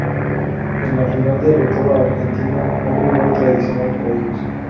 En la final derrotó a Argentina, un rival tradicional para ellos.